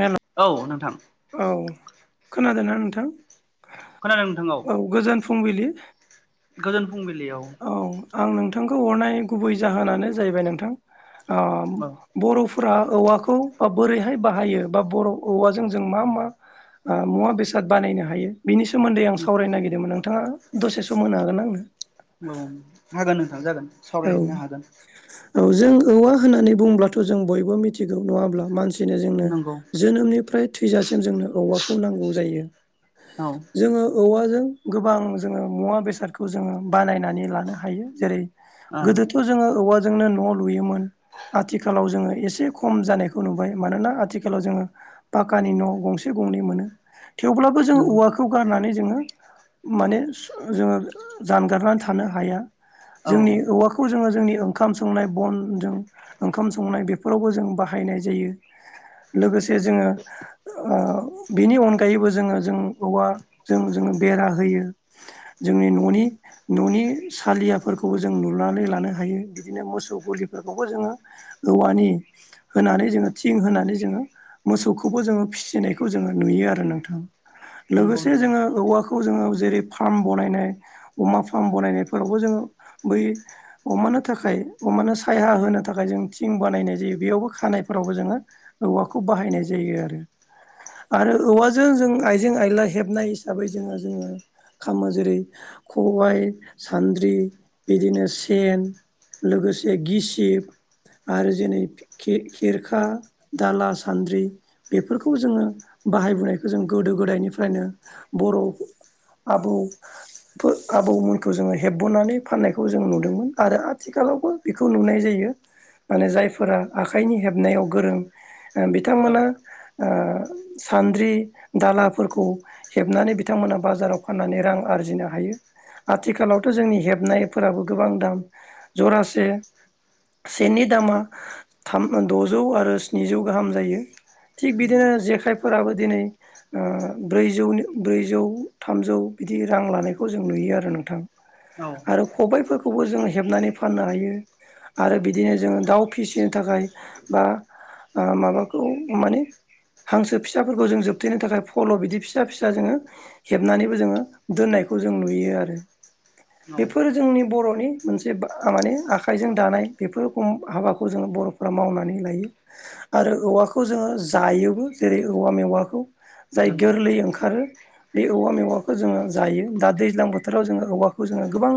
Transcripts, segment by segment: हेल' औ नोंथां औ खोनादोंना नोंथां? खोनादों नोंथां औ गोजोन फुंबिलि गोजोन फुंबिलियाव औ आं नोंथांखौ हरनाय गुबै जाहोनानो जाहैबाय नोंथां ओ औ बर' फ्रा औवाखौ बा बोरैहाय बाहायो बा बर' औवाजों जों मा मा आ मुवा बेसाद बानायनो हायो। बिनि सोमोन्दै आं सावरायनो नागिरदोंमोन नोंथांङा दसे सम होनो हागोनना आंनो? औ हागोन नोंथां जागोन। औ सावरायनो हागोन औ जों औवा होननानै बुंब्लाथ' जों बयबो मिथिगौ नंङा होमब्ला मानसि बिदिनो नंगौ जोंनो जोनोमनिफ्राय थैजासिम जोंनो औवाखौ नांगौ जायो। औ जोंङो औवाजों गोबां जोंङो मुवा बेसादखौ जोंङो बानायनानै लानो हायो। जेरै औ गोदोथ' जोंङो औवाजोंनो न' लुयोमोन। आथिखालाव जोंङो एसे खम जानायखौ नुबाय मानोना आथिखालाव जोंङो पाकानि न' गंसे गंनै मोनो थेवब्लाबो जों नंगौ औवाखौ गारनानै जोंङो माने जोंङो जानगारनानै थानो हाया। औ जोंनि औवा खौ जोंङो जोंनि ओंखाम संनाय बनजों ओंखाम संनाय बेफोरावबो जों बाहायनाय जायो। लोगोसे जोंङो ओ बेनि अनगायैबो जोंङो जों औवाजों जोंङो बेरा होयो। जोंनि न'नि न'नि सालिया फोरखौबो जों लुनानै लानो हायो बिदिनो मोसौ गलिफोरखौबो जोंङो औवानि होनानै जोंङो थिं होनानै जोंङो मोसौखौबो जोंङो फिसिनायखौ जोंङो नुयो। आरो नोंथां नंगौ लोगोसे नंगौ जोंङो औवाखौ खौ जोंङो जेरै फार्म बनायनाय अमा फार्म बानायनायफोरावबो जोंङो बै अमानो थाखाय अमानो साया होनो थाखाय जों थिं बानायनाय जायो बेयावबो खानायफोरावबो जोंङो औवाखौ बाहायनाय जायो आरो। आरो औवाजों जों आइजें आयला हेबनाय हिसाबै जोंङो जोंङो खामो जेरै खबाइ सान्द्रि बिदिनो सेन लोगोसे गिसिब आरो जेरै खेर-खेरखा दाला सान्द्रि बेफोरखौ जोंङो बाहायबोनायखौ जों गोदो गोदायनिफ्रायनो बर' आबौ फोर आबौ मोनखौ जोंङो हेबहोनानै फाननायखौ जों नुदोंमोन आरो आथिखालावबो बेखौ नुनाय जायो। माने जायफोरा आखाइनि हेबनायाव गोरों ओ औ बिथांमोना ओ सान्द्रि दालाफोरखौ हेबनानै बिथांमोना बाजाराव फाननानै रां आरजिनो हायो आथिखालावथ' जोंनि हेब नायफोराबो गोबां दाम जरासे सेनि दामा थाम द'जौ आरो स्निजौ गाहाम जायो थिग बिदिनो नंगौ जेखाइफोराबो दिनै ओ ब्रैजौनि ब्रैजौ थामजौ बिदि रां लानायखौ जों नुयो आरो नोंथां। औ आरो खबायफोरखौबो जोंङो हेबनानै फाननो हायो। आरो बिदिनो जोङो दाउ फिसिनो थाखाय बा माबाखौ माने हांसो फिसाफोरखौ जों जोबथेनो थाखाय फल' बिदि फिसा फिसा जोङो हेबनानैबो जोङो दोननायखौ जों नुयो आरो औ बेफोरो जोंनि बर'नि मोनसे माने आखाइजों दानाय बेफोरख हाबाखौ जोङो बर'फ मावनानै लायो। आरो औवाखौ जोङो जायोबो जेरै औवा मेवाखौ जाय नंगौ गोरलै ओंखारो बे औवा मेवाखौ जोङो जायो दा दैज्लां बोथोराव जोङो औवाखौ जोङो गोबां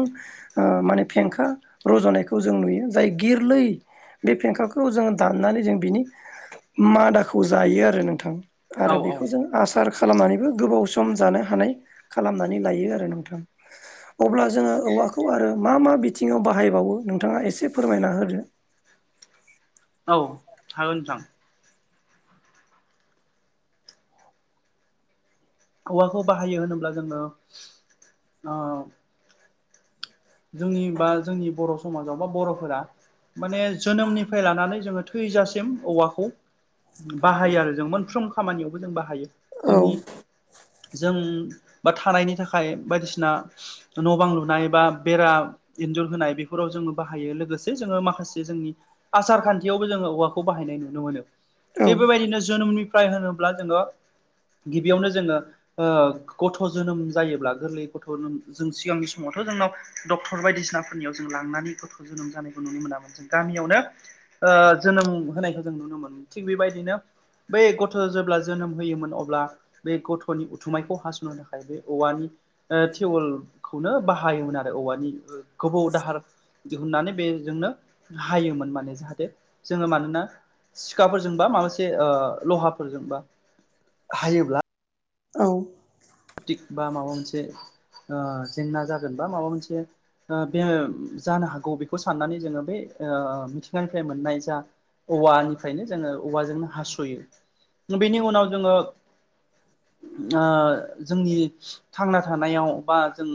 माने फेंखा रज'नायखौ जों नुयो जाय गोरलै बे फेंखाखौ जोंङ दाननानै जों बिनि मादाखौ जायो आरो नोंथां। औ आरो औ बेखौ जों आसार खालामनानैबो गोबाव सम जानो हानाय खालामनानै लायो आरो नोंथां अब्ला जोङो औवाखौ आरो मा मा बिथिङाव बाहायबावो नोंथाङा एसे फोरमायना होदो औ हागोन नोंथां औवाखौ बाहायो होनोब्ला जोङो जोंनि बा जोंनि बर' समाजाव बा बर'फोरा माने जोनोमनिफ्राय लानानै जोङो थैजासिम औवाखौ बाहायो आरो जों मोनफ्रोम खामानियावबो जों बाहायो औ जोंनि जों बा थानायनि थाखाय बायदिसिना न' बां लुनाय बा बेरा इन्जुर होनाय बेफोराव जोङो बाहायो लोगोसे जोङो माखासे जोंनि आसारखान्थियावबो जोङो औवाखौ बाहायनाय नुनो मोनो औ थिग बेबायदिनो जोनोमनि फ्राय होनोब्ला जोङो गिबियावनो जोङो गथ' जोनोम जायोब्ला गोरलै गथ' जों सिगांनि समावथ' जोंनाव डक्टर बायदिसिनाफोरनियाव जों लांनानै गथ' जोनोम जानायखौ नुनो मोनामोन जों गामियावनो जोनोम होनायखौ जों नुनो मोनो थिग बेबायदिनो बै गथ' जेब्ला जोनोम होयोमोन अब्ला बे गथ'नि उथुमायखौ हास'नो थाखाय बे औवानि टिउवेलखौनो बाहायोमोन आरो मफ्राय औवानि गोबौाव दाहार दिहुननानै बेजोंनो हायोमोन माने जाहाथे जोङो मानोना सिखाफोरजोंबा माबासे लहाफोरजोंबा हायोब्ला औ तक बा माबा मोनसे जेंना जागोन बा माबा मोनसे ओ बे जानो हागौ बेखौ साननानै जोङो बे मिथिंगानिफ्राय मोननाय जा औवानिफ्रायनो जोङो औवाजोंनो हास'यो बेनि उनाव जोङो जोंनि थांना थानायाव बा जों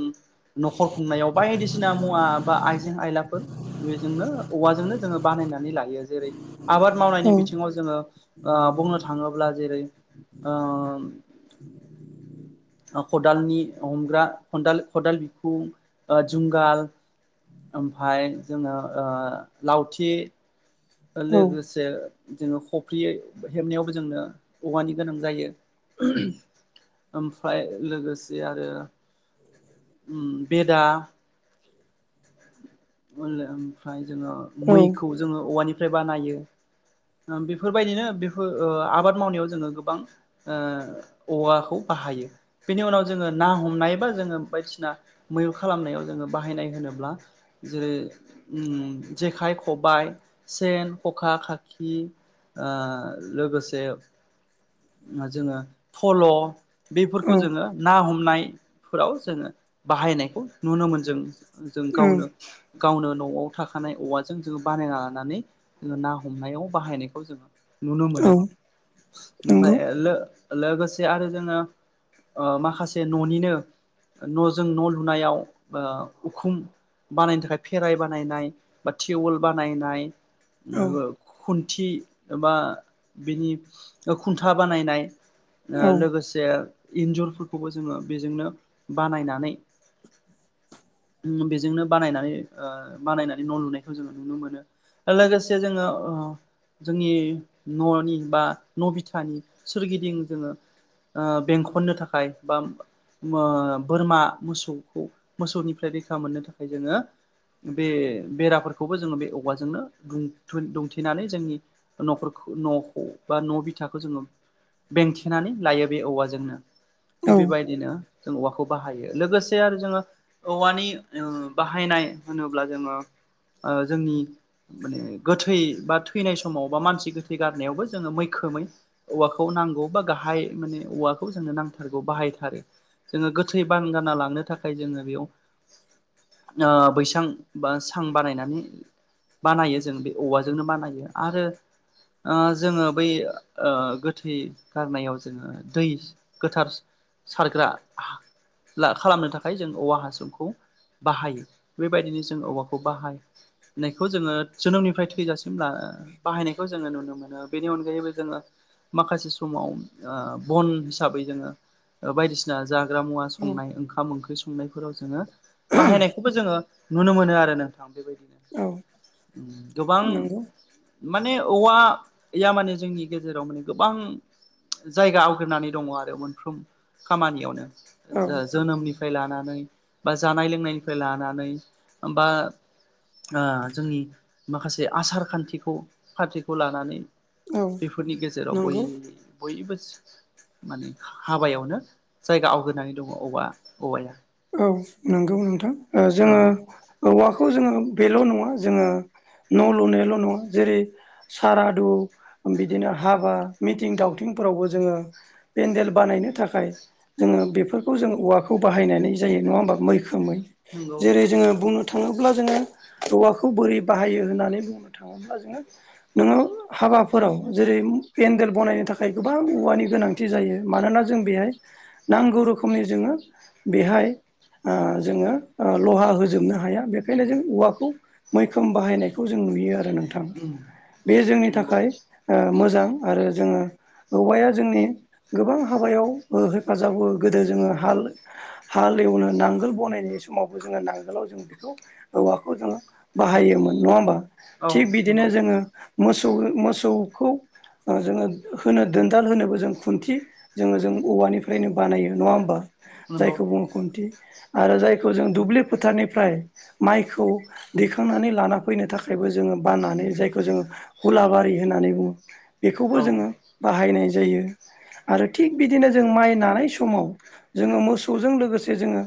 न'खर खुंनायाव बायदिसिना मुवा बा आइजें आयलाफोर बेजोंनो औवाजोंनो जोङो बानायनानै लायो जेरै आबाद औ मावनायनि बिथिङाव जोङो बुंनो थाङोब्ला जेरै खदालनि हमग्रा खाल खदाल बिखुं जुंगाल ओमफाय जोङो लावथि औ लोगोसे जोङो खफ्रि हेबनायावबो जोंनो औवानि गोनां जायो। ओमफ्राय लोगोसे आरो उम बेदा ओलो ओमफ्राय जोङो औ मैखौ जोङो औवानिफ्राय बानायो ओ बेफोरबायदिनो बेफोर ओ आबाद मावनायाव जोङो गोबां ओ औवाखौ बाहायो। बेनि उनाव जोङो ना हमनाय बा जोङो बायदिसिना मैहुर खालामनायाव जोङो बाहायनाय होनोब्ला जेरै उम जेखाइ खबाइ सेन खखा खाखि आ लोगोसे जोङो फल औ बेफोरखौ जोङो ना हमनायफोराव जोङो बाहायनायखौ नुनो मोनजों जों औ गावनो गावनो नआव थाखानाय औवाजों जोङो बानायना लानानै जोङो ना हमनायाव बाहायनायखौ जोङो नुनो औ मोनो। ओमफाय नंगौ ओ लो -लोगोसे आरो जोङो माखासे ननिनो नजों न लुनायाव ओ उखुम बानायनो थाखाय फेराइ बानायनाय बा टिउवल बानायनाय ओ औ लो खुन्थि एबा बिनि ओ खुन्था बानायनाय ओ औ लोगोसे जे इन्जुरफोरखौबो जोङो बेजोंनो बानायनानै उम बेजोंनो बानायनानै ओ बानायनानै न लुनायखौ जोङो नुनो मोनो। ओ लोगोसे जोङो ओ जोंनि ननि बा न बिथानि सोरगिदिं जोङो बेंखननो थाखाय बा मो बोरमा मोसौखौ मोसौनिफ्राय रैखा मोननो थाखाय जोङो बे बेराफोरखौबो जोङो बे औवाजोंनो दुंथ दुंथेनानै जोंनि नखरखौ नखौ बा न बिथा बिथाखौ जोङो बेंथेनानै लायो। बे औवाजोंनो थिग औ बेबायदिनो जों औवाखौ बाहायो। लोगोसे आरो जोङो औवानि ओ बाहायनाय होनोब्ला जोङो ओ जोंनि माने गोथै बा थैनाय समाव बा मानसि गोथै गारनायावबो जोङो मैखोमै औवाखौ नांगौ बा गाहाय माने औवाखौ जोंनो नांथारगौ बाहायथारो। जोङो गोथै बानगारना लांनो थाखाय जोङो बेयाव ओ बैसां बा सां बानायनानै बानायो जों बे औवाजोंनो बानायो आरो ओ जोङो बै ओ गोथै गारनायाव जोङो दै गोथार सारग्रा ला खालामनो थाखाय जों औवा हासुखौ बाहायो बेबायदिनो जों औवाखौ बाहाय होननायखौ जोङो जोनोमनिफ्राय थैजासिम ला ओ बाहायनायखौ जोङो नुनो मोनो। बेनि अनगायैबो जोङो माखासे समाव ओ बन हिसाबै जोङो ओ बायदिसिना जाग्रा मुवा औ संनाय ओंखाम-ओंख्रि संनायफोराव जोङो बाहायनायखौबो जोङो नुनो मोनो आरो नोंथां। बेबायदिनो औ उम गोबां नंगौ माने औवाया माने जोंनि गेजेराव माने गोबां जायगा आवग्रिनानै दङ आरो मोनफ्रोम खामानियावनो औ जो जोनोमनिफ्राय लानानै बा जानाय लोंनायनिफ्राय लानानै बा आ जोंनि माखासे आसार खान्थिखौ पार्टिखौ लानानै औ बेफोरनि गेजेराव बय नंगौ बयबो माने हाबायावनो जायगा आवग्रिनानै दङ औवा -औवाया। औ नंगौ नोंथां ओ औ जोङो औवाखौ जोङो बेल नङा जोङो न लुनायल नङा जेरै, सारादु, बिदिनो हाबा, मिथिं दावथिंफोरावबो जोङो पेन्देल बानायनो थाखाय जोङो बेफोरखौ जों औवाखौ बाहायनानै जायो नङा होमबा मैखोमै नंगौ जेरै जोङो बुंनो बुंनो थाङोब्ला जोङो औवाखौ बोरै बाहायो होननानै बुंनो थाङोब्ला जोङो नोङो हाबाफोराव जेरै, पेन्देल बानायनो थाखाय गोबां औवानि गोनां जायो। मानोना जों बेहाय नांगौ रोखोमनि जोङो बेहाय जोङो लहा होजोबनो हाया बेखायनो जों औवाखौ मैखोम बाहायनायखौ जों नुयो आरो नोंथां उम बे जोंनि नंगौ थाखाय मोजां आरो जोङो औवाया जोंनि गोबां हाबायाव हेफाजाब होयो गोदो जोङो हाल हालेवनो नांगोल बानायनाय समावबो जोङो नांगोलाव जों बेखौ हौवाखौ जोङो बाहायोमोन नङा होमबा औ थिग बिदिनो नंगौ जोङो मोसौ मोसौखौ जोङो होनो दोनदाल होनोबो जों खुन्थि जोङो जों औवानिफ्रायनो बानायो नङा होमबा नंगौ जायखौ बुङो खुन्थि आरो जायखौ जों दुब्लि फोथारनिफ्राय माइखौ दैखांनानै लाना फैनो थाखायबो जोङो बाननानै जायखौ जोङो हुलाबारि होननानै बुङो बेखौबो औ जोङो बाहायनाय जायो आरो थिग बिदिनो जों माइ नानाय समाव जोङो मोसौजों लोगोसे जोङो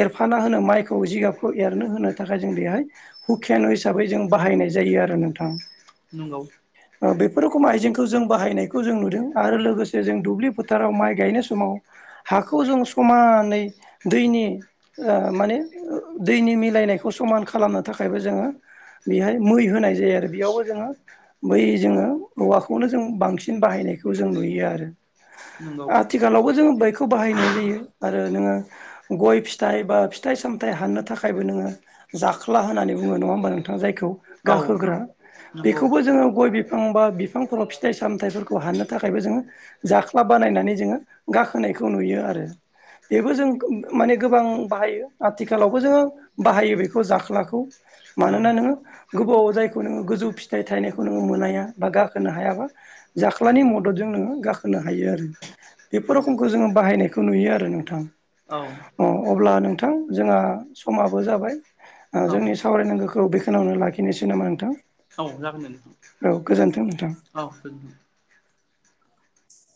एरफाना होनो माइखौ जिगाबखौ एरनो होनो थाखाय जों बेहाय हुखेन हिसाबै जों बाहायनाय जायो आरो नोंथां नंगौ ओ बेफोर रोखोम आइजेंखौ जों बाहायनायखौ जों नुदों आरो लोगोसे जों दुब्लि फोथाराव माइ गायनाय समाव हाखौ जों समानै दैनि ओ माने दैनि मिलायनायखौ समान खालामनो थाखायबो जोङो बेहाय मै होनाय जायो आरो बेयावबो जोङो मै जोङो औवाखौनो जों बांसिन बाहायनायखौ जों नुयो आरो नंगौ आथिखालावबो जोङो बैखौ बाहायनाय जायो आरो नोङो गय फिथाइ बा फिथाइ सामथाइ हाननो थाखायबो नोङो जाख्ला होननानै बुङो नङा होमबा नोंथाङा जायखौ औ गाखोग्रा नंगौ बेखौबो जोङो गय बि फां बा बिफांफोराव फिथाइ सामथायाइफोरखौ हानो थाखायबो जोङो जाख्ला बानायनानै जोङो गाखोनायखौ नुयो आरो बेबो जों माने गोबां बाहायो आथिखालावबो जोङो बाहायो बेखौ जाख्लाखौ औ मानोना नोङो गोबाव जायखौ नोङो गोजौ फिथाइ थाइनायखौ नोङो मोनाया बा गाखोनो हायाबा जाख्लानि मददजों नोङो गाखोनो हायो आरो बेफोर नंगौ रोखोमखौ जोङो बाहायनायखौ नुयो आरो नोंथां औ अ अब्ला नोंथां जोंहा समाबो जाबाय औ जोंनि सावरायनांगौखौ बेखावनो लाखिनोसै नामा नोंथां औ औ गोजोन्थों नोंथां औ गोजोन्थों